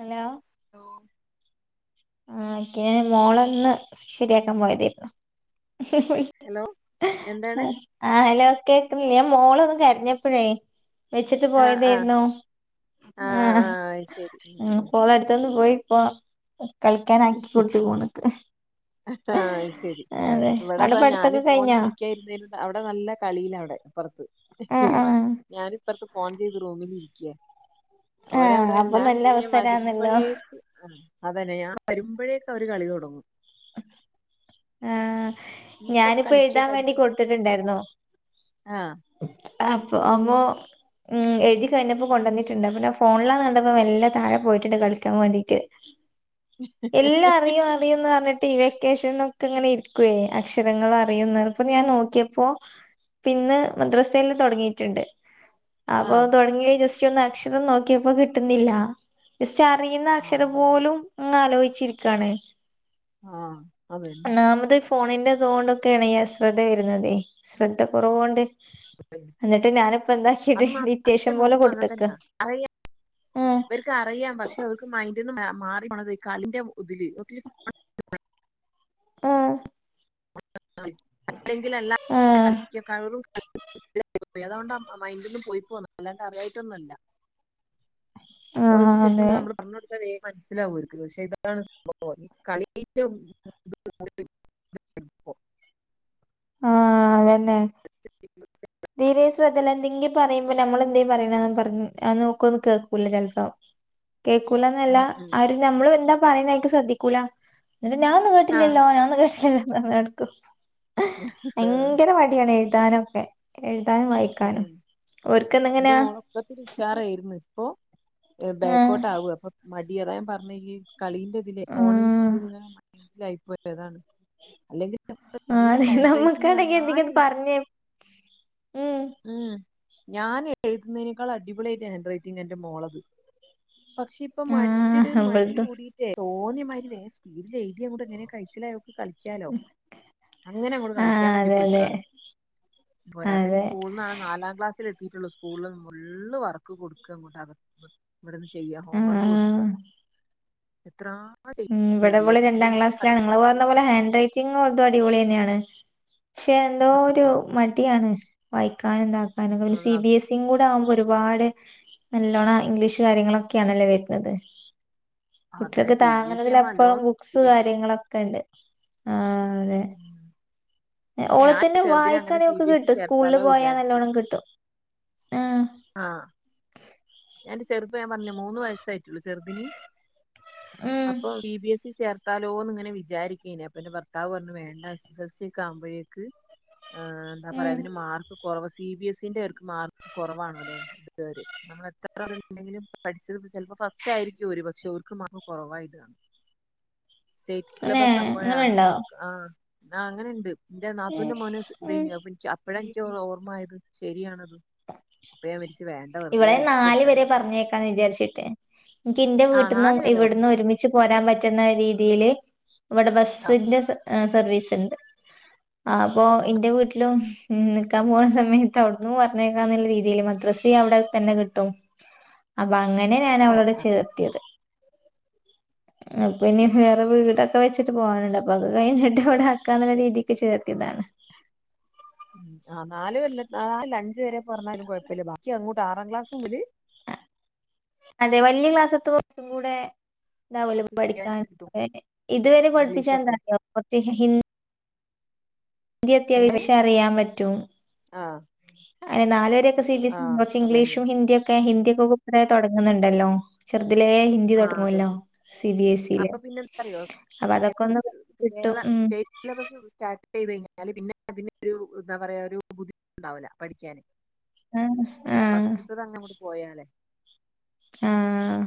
Hello ഓ ആന് മോളൊന്ന് ശരിയാക്കാൻ പോയതായിരുന്നു ഹലോ എന്താണ് ആ ഹലോ കേക്കുന്ന മോളൊന്നും കരിഞ്ഞപ്പോഴേ വെച്ചിട്ട് ആഹ് ആഹ് പോയതായിരുന്നു ആ ആഹ് ആഹ് അത് ശരി ഉം ഉം പോള അടുത്തൊന്ന് പോയി ഇപ്പൊ കളിക്കാന ആാക്കി കൊടുത്ത പോന്നക്ക് ആഹ ശരി അവിടെ ഇവിടെതാ പഠിത്തൊക്കെ ഞാനും പോക കഴിഞ്ഞോ വിിക്കരുന്ന അവിടെ നല്ല കളിയില അവിടെപ്പറ ആ ആ ഞാനിപ്പറത്തെ ഫോൺ ചെയ്ത് റോമിൽ ഇരിക്കിയ ആ അവരവിടെ അപ്പൊ ഞാൻ നല്ല ഇന്തിന അവസരാന്നല്ലോ വരുമ്പോഴേക്ക് ആ അതന്നെ ഞാൻ വരുമ്പോഴേൊക്കെ അവര് കളി തുടങ്ങും ആഹ ഇനിയിപ്പത് ഞാനിപ്പോ കളിക്ക എഴുതാൻ വേണ്ടി കൊടുത്തിട്ടുണ്ടായിരുന്നോ ആഹ അപ്പൊ അമ്മോ ഉം എഴുതി കഴിഞ്ഞപ്പോൊ കൊണ്ടുവന്നിട്ടുണ്ട് പിന്നെ ഫോണിലാന്ന് കണ്ടപ്പോ എല്ലാ താഴെ പോയിട്ടിണ്ട് കളിക്കാൻ വേണ്ടിട്ട് എല്ലാം അറിയും അറിയുംന്ന് പറഞ്ഞിട്ട് ഈ വെക്കേഷൻ അങ്ങനെ ഇരിക്കുവേ അക്ഷരങ്ങൾ അറിയുന്ന അപ്പൊ ഞാൻ നോക്കിയപ്പോ പിന്നെ മദ്രസയില്ൽ തുടങ്ങിയിട്ടുണ്ട് അപ്പോൊ ആഹ് തുടങ്ങിയ ജസ്റ്റ് എനിക്ക് അക്ഷരം നോക്കിയപ്പോ കിട്ടുന്നില്ല ജസ്റ്റ് അറിയുന്ന ആഹ് അക്ഷരം അതാണ് പോലും ആലോച ച്ചിരിക്കാണ് ആഹ നാമത് ഫോണിന്റെതുകൊണ്ടൊക്കെയാണ് ഈ അ ശ്രദ്ധ വരുന്നതേ ശ്രദ്ധ കുറവൊണ്ട് എന്നിട്ട് ഞാനിപ്പോ എന്താക്കിട്ട് അത് മാത്രം എന്റെ ഇത്യാവേഷ്യം പോലെ മോക്കും അങ്ങനെ കൊടുത്തക്ക് തന്നാ അറിയാം ഇവർക്ക് അറിയാം പക്ഷെ അവർക്ക് മൈ മാറി പോണത് ഈ കളിന്റെ ഉതില്ക്ക ആ അല്ലങ്കിൽ എല്ലാ ആ കളിക്ക [unintelligible] അതൊണ്ട് മൈന്റന്നും പോയി പോന്ന അല്ലാണ്ട് അറിയായിട്ടൊന്നുവല്ല ആ ഒക്കെ അവർക്ക് ശരിക്കും അതെ നമ്മള് പറഞ്ഞ് കൊടത്ത വേ മനസ്സിലാവൊര്ക്ക് പക്ഷെ ഇതാണ് സംഭവം ഈ കളിൻ്റെ ഫ്ല ആഹ് അതെന്നെ തീരെ ശ്രദ്ധല്ല എന്തെങ്കിം പറയുമ്പോ നമ്മൾ എന്തെങ്കും പറയണ പറ അത് നോക്കോന്ന് കേൾക്കൂല ചൽപം കേൾക്കൂലന്നല്ല ഉം ഉം. ആര് നമ്മളും എന്താ പറയുന്ന എനിക്ക് ശ്രദ്ധിക്കൂല എന്നിട്ട് ഞാനൊന്ന് ആ കേട്ടില്ലല്ലോ ഞാന്ന് കേട്ടില്ലല്ലോ എടുക്കും ആഹ് [unintelligible] ഒക്കെ എഴ് ഏ എന്റെ മോളൊക്കത്തി ഉഷാറായിരുന്നു അപ്പൊ ആഹ് ബേകോട്ട് ആവു അപ്പൊ മടി അതായ പറഞ്ഞഈ കളീൻറ്റതിലെ ആഹ് ഫോണിങ്ങനെ മൈൻഡിലായി പോയതാണ് അല്ലെങ്കി ആ അതെ നമ്മുക്കാണങ്കി എന്തെങ്കിത് എഴുതി- പറഞ്ഞേ ഉം. ഞാൻ എഴുതുന്നതിനേക്കാൾ അടിപൊളിയായിട്ട് ഹാൻഡ് റൈറ്റിംഗ എന്റെ മോളത് പക്ഷെ ഇപ്പ മടിച്ചിട്ട ആഹ് മടി ഇവൾതും കൂടിട്ടേ തോന്നിയമാരി വേ സ്പീഡിൽ എഴുതിയ കൂടെ എങ്ങനെ കഴിച്ചിലോക്ക് കളിക്കാലോ അങ്ങനെ അങ്ങോട് ആഹ് കളിക്കാൻ വേണ്ടി അതെ അതെ പോയിക്കാണ് പോരാത്തേന് അതെ നാലാം ക്ലാസ്സൽ എത്തീട്ടുള്ളൂ സ്കൂൾല് ഫുള്ള് വർക്ക് കൊടുക്ക [unintelligible] ഇവിടെന്ന് ചെയ്യ ഹോംവർക്ക് കൊടുക്ക ആഹ് എത്രാ ഉം ഇവടെവള് രണ്ടാം ക്ലാസ്സിലാണ് നിങ്ങള് പറഞ്ഞ പോലെ ഹാൻഡ്ററ്റിങ് ഉള്ളതും അടിപൊളി തന്നെയാണ് പക്ഷെ എന്തോ ഒരു മടിയാണ് വായിക്കാനും ഇതാക്കാനും ഒക്കെ സി അതാ ബി എസ് ഇ കൂടെ ആവുമ്പോ ഒരുപാട് നല്ലോണം ഇംഗ്ലീഷ് കാര്യങ്ങളൊക്കെയാണല്ലേ വരുന്നത് അതെ സി ബി എസ് ഇ താങ്ങുന്നതില ആവുമ്പോ അപ്പഴും നല്ലോണം ബുക്സ് ശ്രദ്ധിക്കണം കാര്യങ്ങളൊക്കെണ്ട് ആ അതെ ഓള ഞാൻ തന്നെ ചെറുതിനെ അങ്ങനെ വായിക്കാണെ സി ഒക്ക് ബി എസ് ഇ കിട്ടും സ്കൂളിൽ ചേർത്താലോ പോയാ വിചാരിച്ച് നല്ലോണം കിട്ടും ആ ആഹ് ഞാൻന്റെ ചെറുപ്പ ഞാൻ പറഞ്ഞേ മൂന്ന് വയസായിട്ടുള്ളൂ ചെറുതിന് ഉം അപ്പൊ സി ബി എസ് ഇ ചേർ ഭർത്താലോന്ന് ഇങ്ങനെ വിചാരിക്കേനെ അപ്പൊ എന്റെ ഭർത്താവ് പറഞ്ഞു വേണ്ട എസ് എസ് എൽ സ ഒക്ക ആവുമ്പോഴേക്ക് ഏ എന്താ പറയയാ ഉം അതിന് മാർക്ക് കുറവ് സി ബി എസ് ഇന്റെ അവർക്ക് മാർക്ക് കുറവാണ അല്ലെ ഇ നമ്മത്ര ണ്ടെങ്കിലും പഠിച്ചത് ചിലപ്പോ ഫസ്റ്റ് ആയിരിക്കുംര് പക്ഷെ അവർക്കും അങ് കുറവായിട്ട് തന്നു ഉഫ്ഫ്യ സ്റ്റേറ്റ് സിലബസ് ആമ്പോഴാണ് മാർക്ക് ആ ആ അങ്ങനെണ്ട് എന്റെ ഉം നാത്തൂവിന്റെ മോന് സ് ഉം ഇതേഞ്ഞു അ എനി അപ്പഴ എനിക്ക്ഓർമ്മയത് ശെരിയാണത് അപ്പൊ ഞാൻ വച്ച് വേണ്ട വെറുതെ ഇവളെ റിസ് നാല് വരെ പർഞ്ഞേക്കാന്ന് വിചാരിച്ചിട്ട് എനിക്ക് എന്റെ ആ വീട്ടന്നും നാല് വരെ ഓക്കെ ഇവിടന്ന് ഒരുമിച്ച് പോരാൻ പറ്റുന്ന രീതീല് ഇവിടെ ആ ബസ്സിന്റെ സ ഏ സർവീസ് ഇണ്ട് അപ്പൊ ഇന്റെ വീട്ട്ലും നിക്കാൻ പോണ സമയത്ത് അവിട്ന്ന് പോവാ ക്ക രീതിൽ മദ്രസ അവിടെ തന്നെ കിട്ടും അപ്പാ ങ്ങനെ ഞാൻ ആ അവളവ്ടെ ചേർത്തിയത് അപ്പൊ ശരി ഇനി വേറെ വീടൊ ഒക്ക വെച്ചിട്ട് പോകാനുണ്ട് അപ്പൊ അത് കഴിഞ്ഞിട്ട് ഇവിടെ ആക്കാന്നുള്ള രീതിക്ക് ചേർത്തിതാണ് ഉം ആ നാല് കൊൽ ആ നാലല്ല അഞ്ച് വരെ പർഞ്ഞാലും കുഴപ്പല്ല ബാക്കി അങ്ങോട്ട് ആറാം ക്ലാസ്സും മുല് അതെ വല്ല്യ ക്ലാസ്സത്ത് കൊർച്ചും കൂടെ ഐതാവോലൊ കൃത്യായിട്ട് പഠിക്കാൻ കിട്ടും ഇതുവരെ പഠിപ്പിച്ചാ ഇംഗ്ലീഷൊക്കെ എന്താറിയോ കൊർച്ച് ഹി ഇന്ത്യത്യാം ഏ അറിയാൻ പറ്റും ആഹ് അ നാലര സി ആഹ് ബിച്ച് അതന്നെ ഇംഗ്ലീഷും ഹിന്ദിയ ഒക്കെ ഹിന്ദി ഒക്കെ കു തുടങ്ങുന്നുണ്ടല്ലോ ചെറ അതിലെ ഹിന്ദി ആഹ് തുൊടങ്ങല്ലോ അതന്നെ സി ബി എസ് ഇയില് അപ്പൊ പിന്നെ എന്താറിയോ കേരള സ്റ്റേറ്റ് സബ സ്റ്റാർ ചെയ്ത് കഴിഞ്ഞാല് പിന്നെ അതി ഒരു എന്താ പറയാ ഒരു ബുദ്ധിമുട്ട്ുണ്ടാവില്ല പഠിക്കാന് ആഹ ആഹ ഫസ്റ്റ്ത്തത് അങ്ങ് അങ്ങോട്ട് പോയാലേ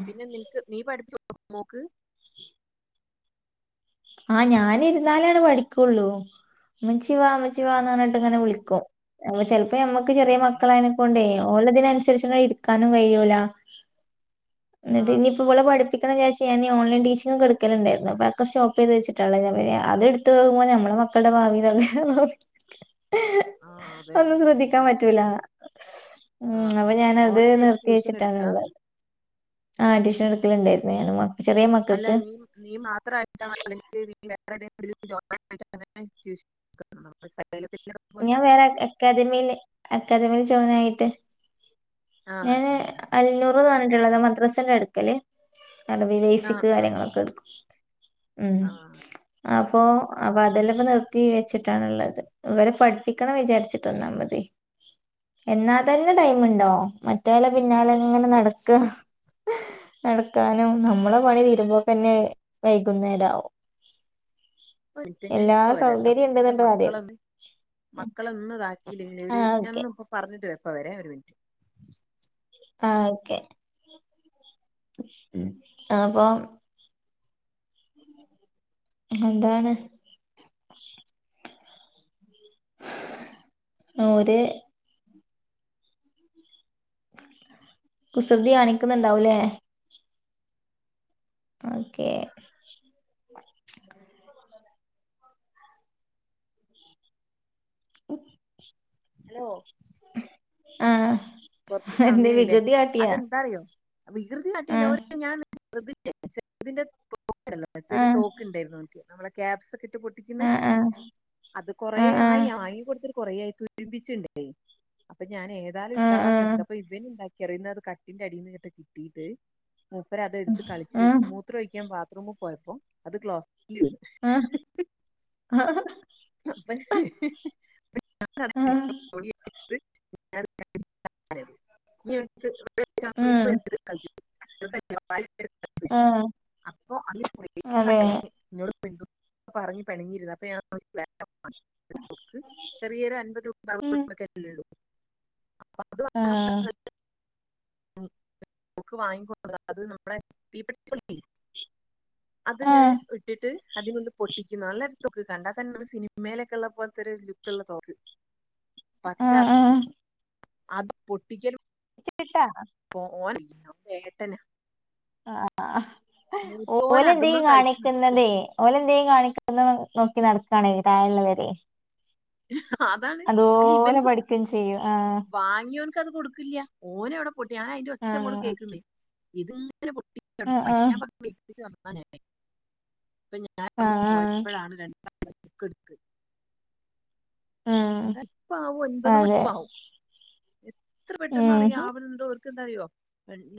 പിന്നെ നി പഠിച്ച നോക്ക് ആഹ് ഞാന ഇരുന്നാലോണ് പഠിക്കുള്ളൂ അമ്മച്ചിവാ അമ്മച്ചിവാന്ന് പറഞ്ഞിട്ട് ഇങ്ങനെ വിളിക്കും അപ്പ ചിലപ്പോ ഞമ്മക്ക് ചെറിയ ആഹ് മക്കളായതിനെക്ക കൊണ്ടേ ഓലതിനനുസരിച്ച് ഇരിക്കാനും കഴിയൂല എന്നിട്ട് ആഹ് ഇനിയിപ്പ ഇളെ പഠിിക്ക വിാാ ഓൺലൈൻ ടീച്ചിും കടുക്കലണ്ടായിരുന്നു അപ്പൊക്കെോ അത് വെച്ചിട്ടുള്ള അത് എടുത്ത്ുമ്പോ മ്മെ മക്കളുടെ ഭാവിയിലൊക്കെ ന ഉ ആഹ് ഒന്നും അതന്നെ ഓൺലൈൻ ശ്രദ്ധിക്കാൻ ട്യൂഷൻ പറ്റൂല ഉ ആഹ് അപ്പൊ ആഹ് ഞാാനത് ഓൺലൈനായിട്ട് നിർത്തി ട്യൂഷൻ എടുക്കാ വെച്ചിട്ടാണുള്ളത് ആഹ് അട്യൂഷൻ എടുക്കലണ്ടായിരുന്നു ഞാനമ്മ അല്ല നീ നീ മാത്രട്ട അല്ലെങ്ക ഞാൻ വേറെ അക്കാദമിയില് അക്കാദമിൽ ജോയിൻ ആയിട്ട് ആ ഞാാന് അങ്ങനെ അഞ്ഞൂറ് തന്നിട്ടുള്ളതോ മദ്രാസിറെ അടുക്കല്േ നല്ല ആ വിവേസിക്ക് ആ കാര്യങ്ങളൊക്കെ ശരി എടുക്കും ഉ ആ ആ അപ്പൊ അപ്പൊ അതെല്ലാംപ്പ നിർത്തി വെച്ചിട്ടാണുള്ളത് ഇവരെ പഠിപ്പിക്കണം വിചാരിച്ചിട്ടൊന്നാ മതി എന്നാ ത തന്നെ ടൈമുണ്ടോ മറ്റോല പിന്നാല എങ്ങനെ നടക്ക നടക്കാനും നമ്മളെ പണി തീരുമ്പോ തന്നെ വൈകുന്നേരവും എനിട്ട ഞാൻ ഇപ്പ വരാട്ടോ സൗകര്യം എന്റെ ഉണ്ട്ന്നുണ്ട് ആദ്യം മക്കളന്ന് മക്കള ഒന്നും ഇതാക്കിയില്ലെങ്കിൽ ഒരു ആഹ് ഓക്കെ ഞാാനന്ന ഇപ്പോൊ പറഞ്ഞിട്ട് വപ്പ വരാ ഒരു മിനിറ്റ് ആഹ ഓക്കെ പ്പൊ എന്താണ് നൂര് കുസൃതി കാണിക്കുന്നുണ്ടാവൂലേ ഓക്കെ [inaudible] ഉ [inaudible] ഹലോ ആഹ കൊറച്ച് സമയയില്ലേ അതെന്താ അറിയോ വികൃതി കാട്ടിയില്ല അവ ആഹ് ഞാൻ ശദ് ശന്റെ ചെറിയ ആഹ് തോക്ക് ഉണ്ടായിരുന്നു നക്ക് നമ്മളക്യാപ് പൊ ആഹ് ആഹ് അത് കൊറ ആയി ആഹ് വങ്ങടു കൊറയായി തുരുമ്പിച്ചുണ്ടേ അപ്പൊ ഞാൻ ഏതാലും കട്ടാളം ആഹ് വെക്ക അപ്പൊ ഇവന ഉണ്ടാക്കി അറിയുന്നത് അ കട്ടിന്റെ അടിൽ നിന്ന് കേട്ട് കിട്ടിയിട്ട് മൂപ്പര അത എടുത്ത് ആഹ് കളിച്ച് ആഹ് മൂത്ര ഒഴിക്കാൻ ബാത്റൂമിൽ പോയപ്പോ അത് ക്ലോസ് ഇ [inaudible] ആഹ് അപ്പ ആഹ് [unintelligible] ക്ക് ആഹ് ആഹ് ഉം [unintelligible] ഇ ആഹ അതെ [unintelligible] പറഞ്ഞ പ പിണങ്ങിരരുന്നു അപ്പൊ ഞാ [unintelligible] ചെറിയരു അൻപത് രൂപ ഉ [unintelligible] ആഹ [unintelligible] ബുക്ക് വാങ്ങി [unintelligible] അത് നമ്മളെ തീപ്പെ [unintelligible] അത്ങ്ങനെ ആഹ് ഇട്ടിട്ട് അതിനൊന്ന് പൊട്ടിക്കുന്നു നല്ലൊരു തൊക്ക് കണ്ടാ തന്നെ നമ്മ സിനിമയിലൊക്കെ ഉള്ള പോലത്തെരു ലുക്ക് ഉള്ള തോക്ക് [inaudible] പക്ഷെ ആഹ് ആഹ് അത് പൊട്ടിക്കലും ചേട്ടാ പോ [unintelligible] ഏട്ടനാ ആഹ് മൂത്തോൻ അതുമ്മ ഓലെന്തേം കളിച്ചു നിക്ക കാണിക്കുന്നതേ ഓലെന്തേം കാണിക്കുന്നത് നോക്കി നട് ക്കാണെ തഴെള്ളവരെ അതാണ് അല്ല അതുപോലെ ഇവനിക്ക് പഠിക്കേം ചെയ്യും ആഹ് വാങ്ങിയോൻക്ക് അത് കൊടുക്കില്ല ഓന് അവിടെ പൊട്ടി ഞാന അയിന്റെ ഒച്ചങ്ങോട്ട് ആഹ് കേൾക്കുന്നേ ഇതൊ [unintelligible] ആഹ് ഏൽപ്പിച്ച് വന്നാ ഞാന് ഇപ്പൊ ഞാൻ ആഹ് അവിടെ ആഹ് ആഹ് പോയപ്പോഴാണ് [unintelligible] എട്ത്ത് ഉം എന്ത അപ്പ ആവും ഒൻപത് മണി അതെ ഇപ്പാവും എത്ര പെട്ടെന്ന് അറിയ ഉം ആവല്ണ്ടോ [unintelligible] എന്താറിയോ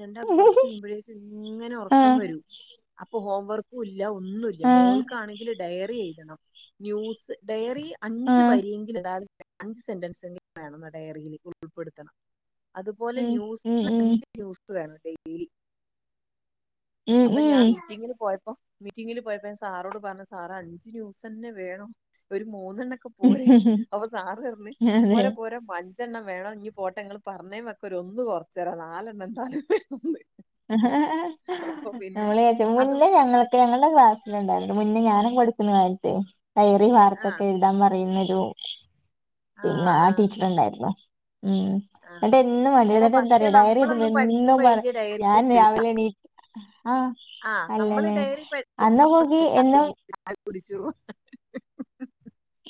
രണ്ടാൾക്കും കൊറച്ച് കയ്യുമ്പോഴേക്ക് ഇങ്ങനെ ഒറക്കം ആഹ് വരൂ അപ്പൊ ഹോം വർക്കുല്ല ഒന്നുല്ല ആഹ് മോൾക്കാണെങ്കിൽ ഡയറി എഴുതണം ന്യൂസ് ഡയറി അഞ്ച് ആഹ് വരിയെങ്കിൽ [unintelligible] അഞ്ച് സെന്റൻസെങ്കിലും വേണംന്നാ ഡയറിയില് ഉൾപ്പെടുത്തണം അതുപോലെ ഉം ഉം ന്യൂസ് അഞ്ച് ന്യൂസ് വേണം ഡെയിലി ഉം ഉം അപ്പൊ ഞാൻ ഉം മീറ്റിങ്ങിന് പോയപ്പം മീറ്റിങ്ങിൽ പോയപ്പോ സാറോട് പറഞ്ഞു സാറെ അഞ്ച് ന്യൂസെന്നെ വേണോ ഒരു മൂന്ന് [unintelligible] ണ്ണൊക്കെ പോരെ അപ്പ സാറ് പറഞ്ഞ് അതെ പോരാ പോര പ അഞ്ചെണ്ണം വേണം ഇഞ്ഞ് പോട്ടെ ങ്ങള് പറഞ്ഞേ വക്കം ഒര് ഒന്ന് കൊറച്ചെരാ നാലെണ്ണം ന്തായാലും വേണംന്ന് അപ്പൊ പിന്നെ നമ്മൾച്ച അത് മുന്നേ ഞങ്ങളൊക്കെ ഞങ്ങളുടെ ക്ലാസ്സിൽ ഉണ്ടായിണ്ട് മുന്നേ ഞാനൊക്കെ പഠിക്കുന്ന കാലത്തെ ഡയറി ആ വാർത്തൊക്കെ എഴുതാൻ പറയുന്നൊരു പിന്നെ ആ ടീച്ചർ ഉണ്ടായിരുന്നു ഉം ആ എന്നിട്ട് എന്നും അടിയാ എടാ ന്നിട്ട് പക്ഷെ എന്താറിയൊ ഡയറിയെഴുതുമ്പ നമ്മളൊന്നും എന്നും പഠിക്കുമ്പോ പറയാ എഴുതിയ ഡയറി ഞാൻ രാവിലെ എ ണീറ്റു ആഹ് ആ നമ്മള് അല്ലല്ലേ ഡയറി അന്നക്കോക്കി എന്ന കുളിച്ചു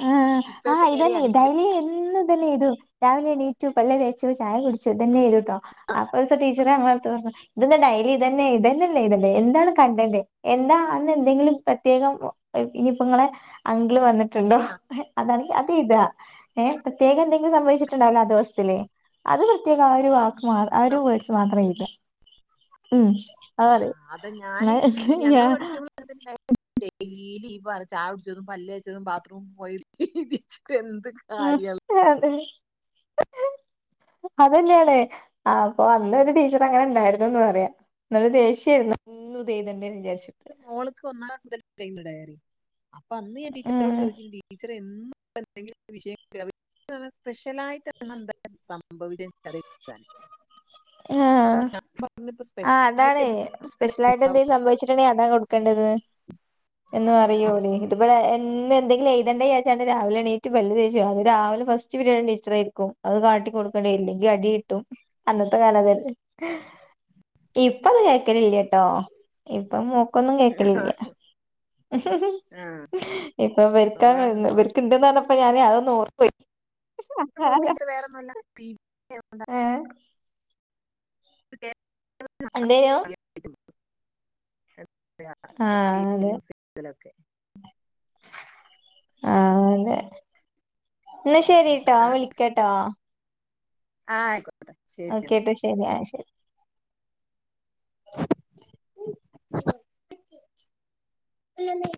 ആഹ് ആഹ് ഇതന്നെ അങ്ങനെ ഡൈലി എന്നു തന്നെ എഴ്തു രാവിലെ എീറ്റു പല്ലേച്ചു ചായ കുടിച്ചുതന്നെഴുതൂട്ടോ അപ്പോരീസം ടീച്ചറ് ഞങ്ങളെട്ത്ത് പറഞ്ഞു ഇതന്ന ഡൈലി ഇതന്നെ ഇതന്നല്ലേ ഇതല്ലെ എന്താണ് കണ്ടെന്റ് എന്താ അന്ന് എന്തെങ്കിലും പ്രത്യേകം ഇനിയിപ്പോ ഇങ്ങളെ അങ്കിള് വന്നിട്ടുണ്ടോ അതാണെങ്കി അ ങ്ങനെഴ്താ ഏ പ്രത്യേകം എന്തെങ്കിലും സംഭവിച്ചിട്ടുണ്ടാവുല്ലോ ആ ദിവസ്സത്തില് അത് പ്രത്യേകം ആ ഒരു വാ ക്ക് ആ ഒരു വേഡ്സ് മാത്രം എഴ്ത ഉം ആ അതറിയും അതാ ഞാന് ഞാ ഞങ്ങള്ൾ പഠിക്കുമ്പ അ ഡെയിലി ഈപറ ചായുട്ച്ചതും പല്ലേച്ചതും ബാത്റൂം പോയതും എന്ത് കാര്യള്ളെ ഉ അതെ ന്നെയാണേ അപ്പൊ അന്ന് ഒരു ടീച്ചർ അങ്ങനെ ഉണ്ടായിരുന്നുന്ന് പറയാ ന്നിട്ട് ദേഷ്യായിരുന്നു എന്നും ഇതെഴ്തെണ്ടേന്ന് ചാരി മോൾക്ക് ഒന്നാംക്ലാസ് മുതൽ [unintelligible] ഡയറി അപ്പൊ അന്ന് ഞാൻ ടീച്ചറോട് ഉം ചോദിച്ചി ടീച്ചറെ എന്നും ഇപ്പൊന്തങ്കിലും വിഷയം കിട്ടാ സ്പെഷ്യലായിട്ട് ഇന്നെന്താ സംഭവിച്ചത് [unintelligible] ആ അപ്പൊ ഞാൻ പറഞ്ഞിപ്പോ ആ അതാണ് സ്പെഷ്യലായിട്ട് സ്പെഷ്യൽ ആയിട്ട് എന്തെങ്കിലും സംഭവിച്ചിട്ടുണ്ടെങ്കിൽ അതാ കൊടുക്കേണ്ടത് എന്നും അറിയൂലെ ഇത് ബടെ എന്നെ എന്തെിങ്കിലും എഴുതണ്ടേ വിചാരിച്ച്ക്കാണ്ട് രാവിലെ എണീറ്റ് പല്ല് തേച് രാവിലെ ഫസ്റ്റ് പിരീഡ് ടീച്ചറ് ആയിരിക്കും അത് കാട്ടി കൊടുക്ക ഇല്ലെങ്കി അടി കിട്ടും അന്ന് ഇപ്പ ഞാനതല്ലേ ഇപ്പ അത് കേൾക്കലില്ലട്ടോ ഇപ്പം മൂ ഒന്നും കേക്കലില്ല ഇപ്പ വെക്കാ അതാണ് അവസ്ഥ ഇവര്ക് ഇണ്ട്ന്ന റിഞ്ഞപ്പോ ഞാന് അതൊന്ന് ഓർ നോക്കില്ല വേറെ ഒന്നും അല്ല എവിടെ ഏഹ് [unintelligible] എന്തേയ്നു [unintelligible] ആഹ് അതെ യൂസെയ്യലൊക്കെ [unintelligible] ആ അതെ ഇന്നാ ശരിട്ടോ വിളിക്കട്ടോ ആഹ് അയ്ക്കോ ആ കേട്ട ശരി ആ ശരി [unintelligible]